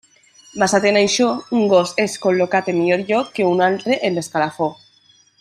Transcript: Basat en això, un gos és col·locat en millor lloc que un altre en l'escalafó.